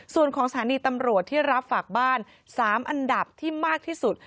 ส่วนของสถานีตำรวจที่รับฝากบ้าน๓อันดับที่มากที่สุด